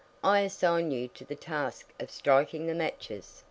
I assign you to the task of striking the matches."